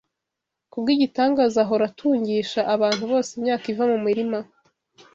Kubw’igitangaza, ahora atūngīsha abantu bose imyaka iva mu mirima